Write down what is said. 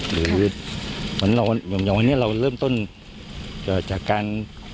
หรืออย่างนี้เราเริ่มต้นจากการ